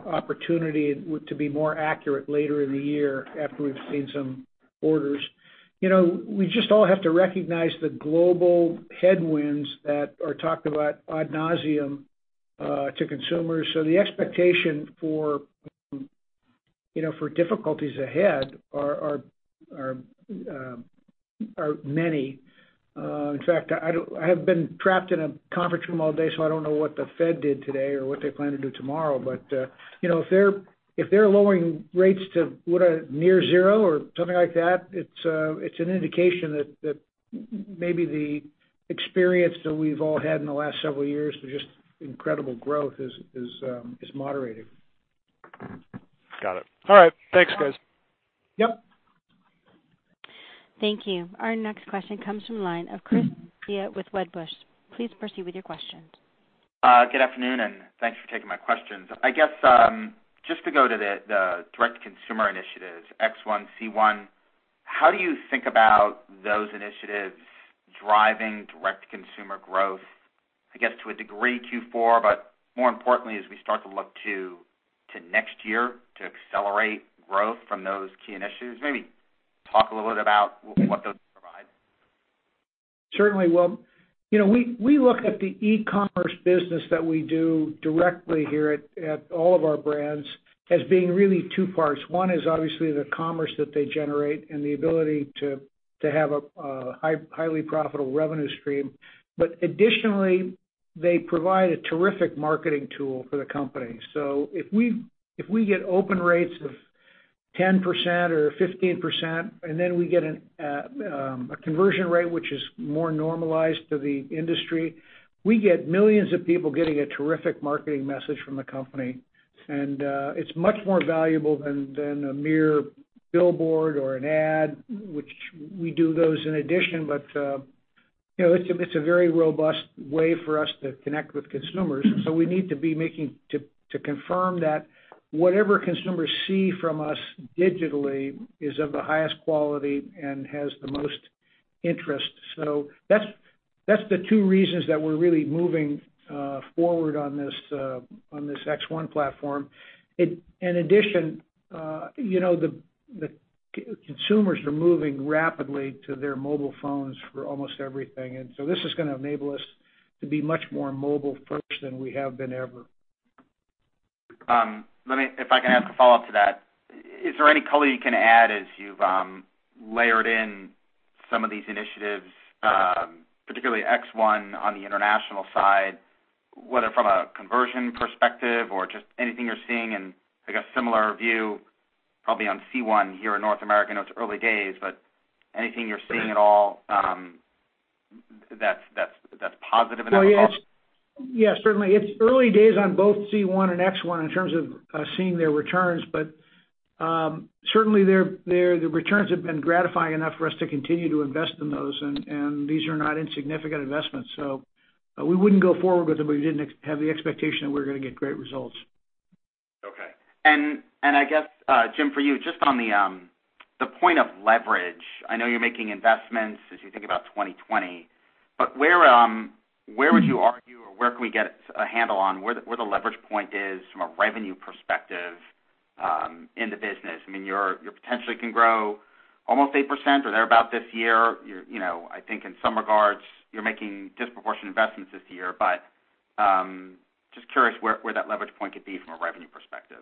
opportunity to be more accurate later in the year after we've seen some orders. We just all have to recognize the global headwinds that are talked about ad nauseam to consumers. The expectation for difficulties ahead are many. In fact, I have been trapped in a conference room all day, so I don't know what the Fed did today or what they plan to do tomorrow. If they're lowering rates to near zero or something like that, it's an indication that maybe the experience that we've all had in the last several years of just incredible growth is moderating. Got it. All right. Thanks, guys. Yep. Thank you. Our next question comes from the line of Christopher Svezia with Wedbush. Please proceed with your question. Good afternoon, and thanks for taking my questions. I guess, just to go to the direct-to-consumer initiatives, X1, C1. How do you think about those initiatives driving direct consumer growth, I guess, to a degree, Q4, but more importantly, as we start to look to next year to accelerate growth from those key initiatives? Maybe talk a little bit about what those provide. Certainly. We look at the e-commerce business that we do directly here at all of our brands as being really 2 parts. One is obviously the commerce that they generate and the ability to have a highly profitable revenue stream. Additionally, they provide a terrific marketing tool for the company. If we get open rates of 10% or 15%, and then we get a conversion rate which is more normalized to the industry, we get millions of people getting a terrific marketing message from the company. It's much more valuable than a mere billboard or an ad, which we do those in addition. It's a very robust way for us to connect with consumers. We need to confirm that whatever consumers see from us digitally is of the highest quality and has the most interest. That's the two reasons that we're really moving forward on this X1 platform. In addition, the consumers are moving rapidly to their mobile phones for almost everything. This is going to enable us to be much more mobile first than we have been ever. If I can ask a follow-up to that, is there any color you can add as you've layered in some of these initiatives, particularly X1 on the international side, whether from a conversion perspective or just anything you're seeing in, I guess, similar view probably on C1 here in North America? I know it's early days. Anything you're seeing at all that's positive in that call? Yeah, certainly. It's early days on both C1 and X1 in terms of seeing their returns, but certainly, the returns have been gratifying enough for us to continue to invest in those, and these are not insignificant investments. We wouldn't go forward with them if we didn't have the expectation that we're going to get great results. Okay. I guess, Jim, for you, just on the point of leverage. I know you're making investments as you think about 2020, but where would you argue or where can we get a handle on where the leverage point is from a revenue perspective, in the business? You potentially can grow almost 8% or thereabout this year. I think in some regards, you're making disproportionate investments this year. Just curious where that leverage point could be from a revenue perspective.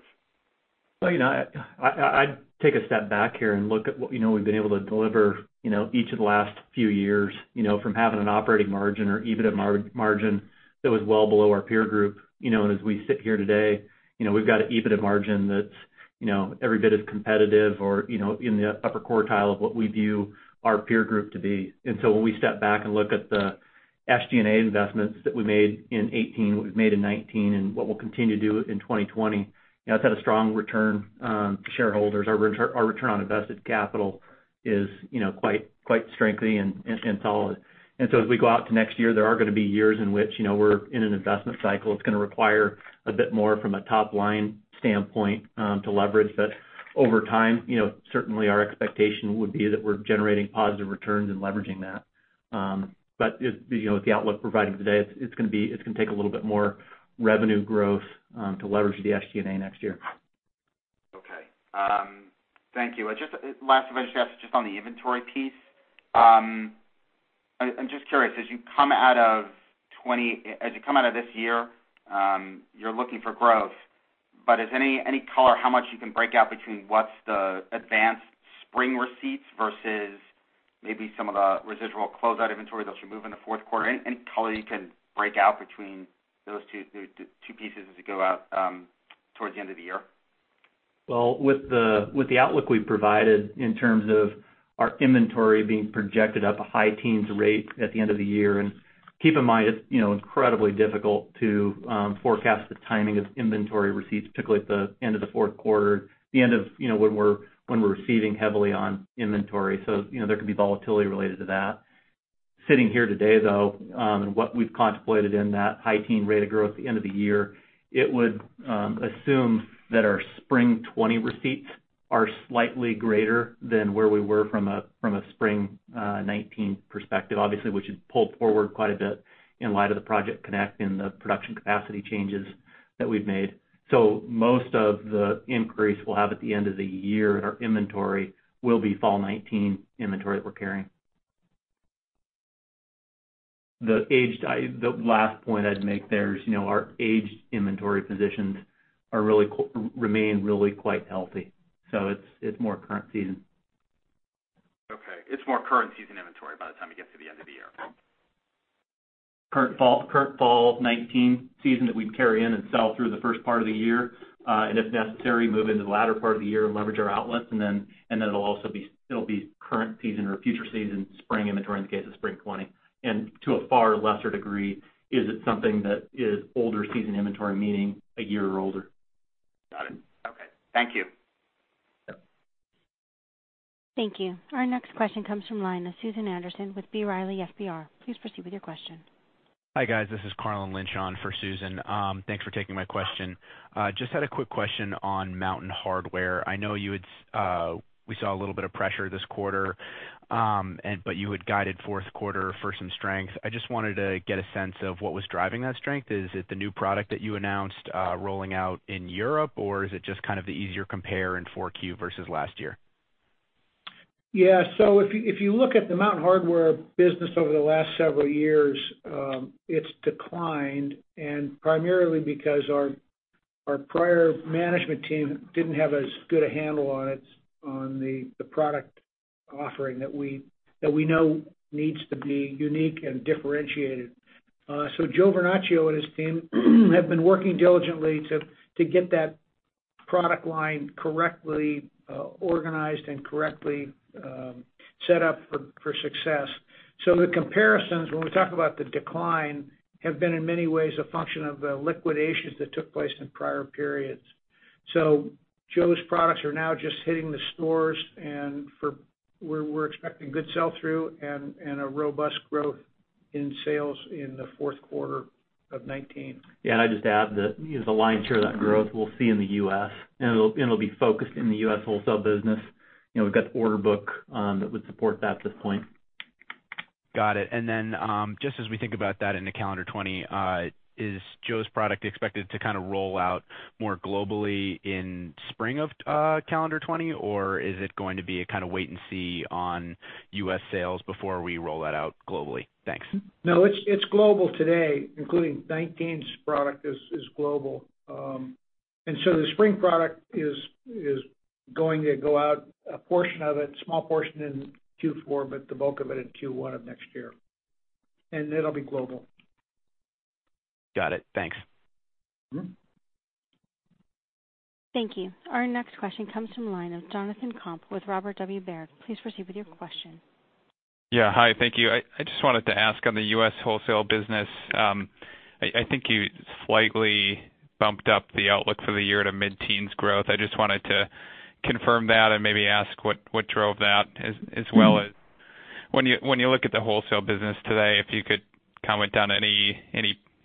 I'd take a step back here and look at what we've been able to deliver, each of the last few years, from having an operating margin or EBITDA margin that was well below our peer group. As we sit here today, we've got an EBITDA margin that's every bit as competitive or in the upper quartile of what we view our peer group to be. When we step back and look at the SG&A investments that we made in 18, what we've made in 19, and what we'll continue to do in 2020, it's had a strong return to shareholders. Our return on invested capital is quite strengthening and solid. As we go out to next year, there are going to be years in which we're in an investment cycle. It's going to require a bit more from a top-line standpoint to leverage. Over time, certainly our expectation would be that we're generating positive returns and leveraging that. With the outlook provided today, it's going to take a little bit more revenue growth, to leverage the SG&A next year. Okay. Thank you. Last, if I just ask just on the inventory piece. I'm just curious, as you come out of this year, you're looking for growth, but is any color how much you can break out between what's the advanced spring receipts versus maybe some of the residual closeout inventory that's removing the fourth quarter? Any color you can break out between those two pieces as you go out towards the end of the year? Well, with the outlook we've provided in terms of our inventory being projected at the high teens rate at the end of the year, and keep in mind, it's incredibly difficult to forecast the timing of inventory receipts, particularly at the end of the fourth quarter, when we're receiving heavily on inventory. There could be volatility related to that. Sitting here today, though, and what we've contemplated in that high teen rate of growth at the end of the year, it would assume that our spring 2020 receipts are slightly greater than where we were from a spring 2019 perspective. Obviously, we should pull forward quite a bit in light of the Project Connect and the production capacity changes that we've made. Most of the increase we'll have at the end of the year in our inventory will be fall 2019 inventory that we're carrying. The last point I'd make there is our aged inventory positions remain really quite healthy. It's more current season. Okay. It's more current season inventory by the time it gets to the end of the year. Current fall 2019 season that we'd carry in and sell through the first part of the year. If necessary, move into the latter part of the year and leverage our outlets. Then it'll be current season or future season spring inventory in the case of spring 2020. To a far lesser degree, is it something that is older season inventory, meaning a year or older. Got it. Okay. Thank you. Yep. Thank you. Our next question comes from line of Susan Anderson with B. Riley FBR. Please proceed with your question. Hi, guys. This is Carlin Lynch on for Susan. Thanks for taking my question. Just had a quick question on Mountain Hardwear. I know we saw a little bit of pressure this quarter, but you had guided fourth quarter for some strength. I just wanted to get a sense of what was driving that strength. Is it the new product that you announced rolling out in Europe, or is it just the easier compare in 4Q versus last year? Yeah. If you look at the Mountain Hardwear business over the last several years, it's declined, and primarily because our prior management team didn't have as good a handle on the product offering that we know needs to be unique and differentiated. Joe Vernachio and his team have been working diligently to get that product line correctly organized and correctly set up for success. The comparisons, when we talk about the decline, have been in many ways a function of the liquidations that took place in prior periods. Joe's products are now just hitting the stores, and we're expecting good sell-through and a robust growth in sales in the fourth quarter of 2019. I'd just add that the lion's share of that growth we'll see in the U.S., and it'll be focused in the U.S. wholesale business. We've got the order book that would support that at this point. Got it. Just as we think about that into calendar 2020, is Joe's product expected to roll out more globally in spring of calendar 2020, or is it going to be a wait-and-see on U.S. sales before we roll that out globally? Thanks. No, it's global today, including 2019's product is global. The spring product is going to go out, a portion of it, small portion in Q4, but the bulk of it in Q1 of next year. It'll be global. Got it. Thanks. Thank you. Our next question comes from line of Jonathan Komp with Robert W. Baird. Please proceed with your question. Hi, thank you. I just wanted to ask on the U.S. wholesale business. I think you slightly bumped up the outlook for the year to mid-teens growth. I just wanted to confirm that and maybe ask what drove that, as well as when you look at the wholesale business today, if you could comment on,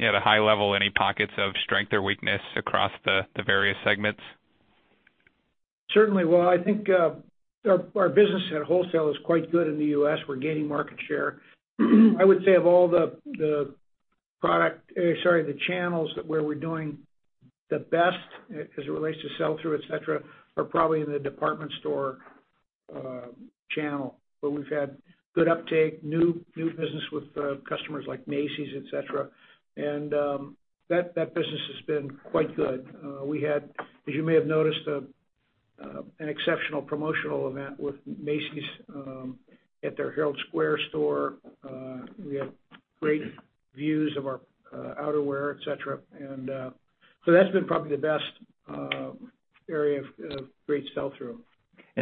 at a high level, any pockets of strength or weakness across the various segments. Certainly. Well, I think our business at wholesale is quite good in the U.S. We're gaining market share. I would say of all the channels where we're doing the best as it relates to sell-through, et cetera, are probably in the department store channel, where we've had good uptake, new business with customers like Macy's, et cetera. That business has been quite good. We had, as you may have noticed, an exceptional promotional event with Macy's, at their Herald Square store. We had great views of our outerwear, et cetera. That's been probably the best area of great sell-through.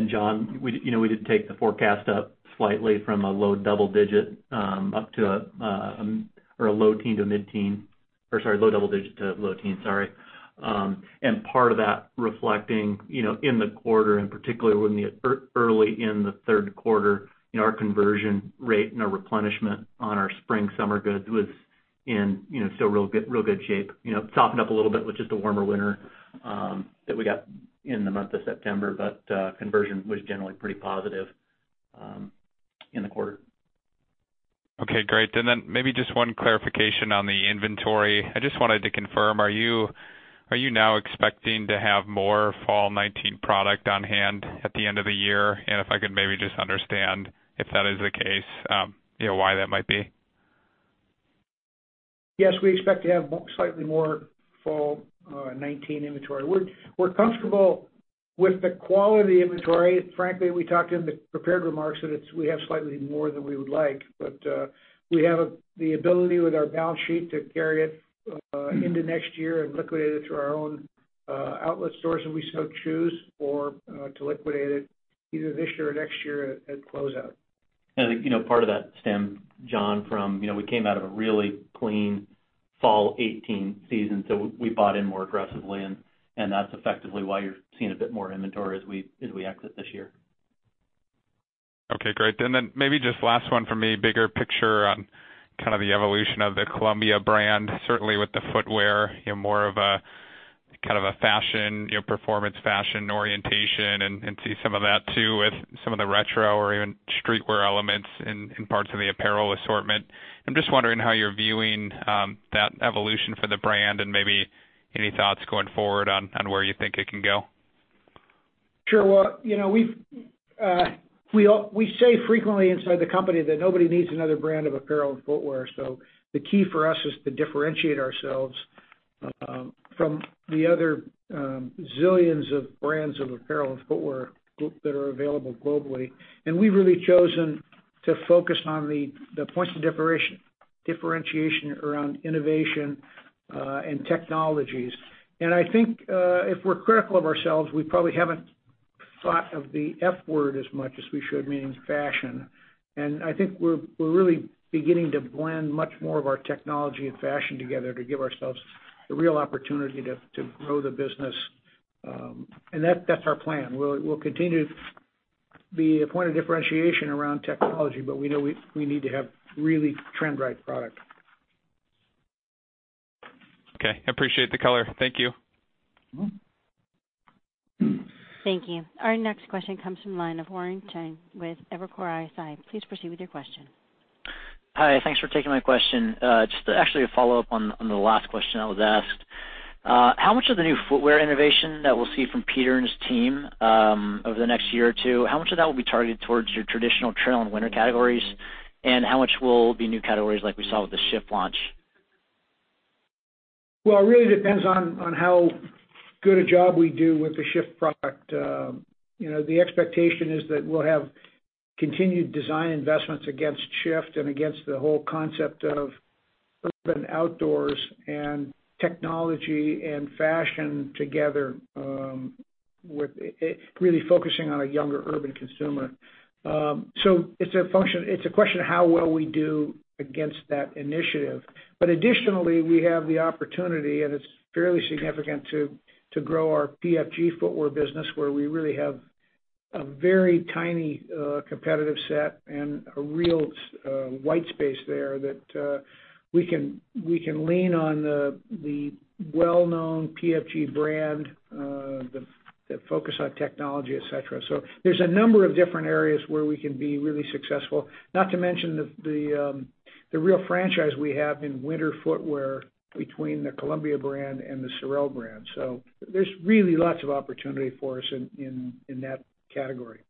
Jon, we did take the forecast up slightly from a low double-digit up to a low-teen to mid-teen. Sorry, low double-digit to low-teen, sorry. Part of that reflecting in the quarter and particularly early in the third quarter, our conversion rate and our replenishment on our spring/summer goods was in still real good shape. Topped up a little bit with just the warmer winter that we got in the month of September, conversion was generally pretty positive in the quarter. Okay, great. Maybe just one clarification on the inventory. I just wanted to confirm, are you now expecting to have more fall 2019 product on hand at the end of the year? If I could maybe just understand, if that is the case, why that might be. Yes, we expect to have slightly more fall 2019 inventory. We're comfortable with the quality of the inventory. Frankly, we talked in the prepared remarks that we have slightly more than we would like. We have the ability with our balance sheet to carry it into next year and liquidate it through our own outlet stores if we so choose, or to liquidate it either this year or next year at closeout. I think part of that stemmed, Jon, from we came out of a really clean fall 2018 season. We bought in more aggressively. That's effectively why you're seeing a bit more inventory as we exit this year. Okay, great. Then maybe just last one from me, bigger picture on kind of the evolution of the Columbia brand, certainly with the footwear, more of a kind of a fashion, performance fashion orientation and see some of that too with some of the retro or even streetwear elements in parts of the apparel assortment. I'm just wondering how you're viewing that evolution for the brand and maybe any thoughts going forward on where you think it can go. Sure. Well, we say frequently inside the company that nobody needs another brand of apparel and footwear. The key for us is to differentiate ourselves from the other zillions of brands of apparel and footwear that are available globally. We've really chosen to focus on the points of differentiation around innovation and technologies. I think if we're critical of ourselves, we probably haven't thought of the F word as much as we should, meaning fashion. I think we're really beginning to blend much more of our technology and fashion together to give ourselves the real opportunity to grow the business. That's our plan. We'll continue the point of differentiation around technology, but we know we need to have really trend-right product. Okay. I appreciate the color. Thank you. Thank you. Our next question comes from the line of Warren Cheng with Evercore ISI. Please proceed with your question. Hi. Thanks for taking my question. Just actually a follow-up on the last question that was asked. How much of the new footwear innovation that we'll see from Peter and his team over the next year or two, how much of that will be targeted towards your traditional trail and winter categories? How much will be new categories like we saw with the Shift launch? Well, it really depends on how good a job we do with the Shift product. The expectation is that we'll have continued design investments against Shift and against the whole concept of urban outdoors and technology and fashion together, really focusing on a younger urban consumer. It's a question of how well we do against that initiative. Additionally, we have the opportunity, and it's fairly significant, to grow our PFG footwear business, where we really have a very tiny competitive set and a real white space there that we can lean on the well-known PFG brand that focus on technology, et cetera. There's a number of different areas where we can be really successful, not to mention the real franchise we have in winter footwear between the Columbia brand and the SOREL brand. There's really lots of opportunity for us in that category.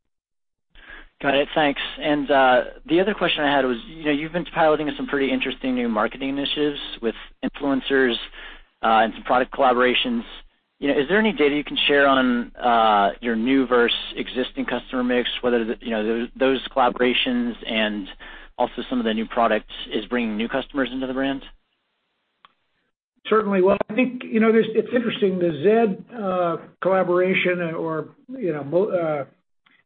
Got it. Thanks. The other question I had was, you've been piloting some pretty interesting new marketing initiatives with influencers and some product collaborations. Is there any data you can share on your new versus existing customer mix, whether those collaborations and also some of the new products is bringing new customers into the brand? Certainly. Well, I think it's interesting. The Zedd collaboration or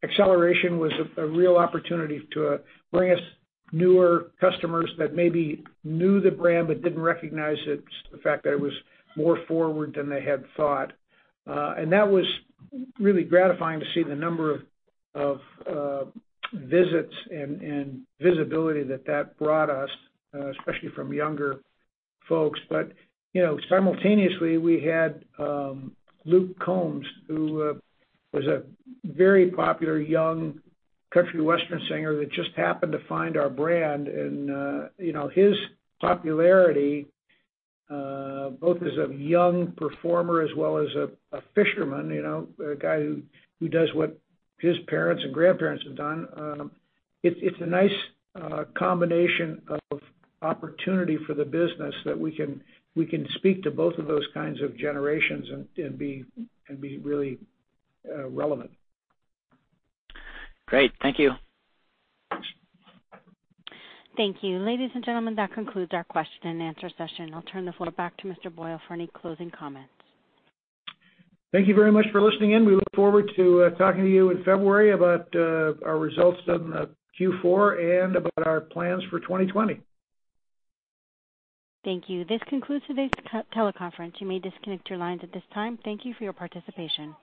acceleration was a real opportunity to bring us newer customers that maybe knew the brand but didn't recognize the fact that it was more forward than they had thought. That was really gratifying to see the number of visits and visibility that brought us, especially from younger folks. Simultaneously, we had Luke Combs, who was a very popular young country western singer that just happened to find our brand and his popularity, both as a young performer as well as a fisherman, a guy who does what his parents and grandparents have done. It's a nice combination of opportunity for the business that we can speak to both of those kinds of generations and be really relevant. Great. Thank you. Thank you. Ladies and gentlemen, that concludes our question and answer session. I'll turn the floor back to Mr. Boyle for any closing comments. Thank you very much for listening in. We look forward to talking to you in February about our results on Q4 and about our plans for 2020. Thank you. This concludes today's teleconference. You may disconnect your lines at this time. Thank you for your participation.